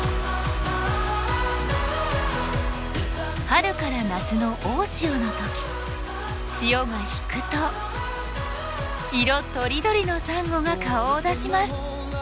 春から夏の大潮の時潮が引くと色とりどりのサンゴが顔を出します。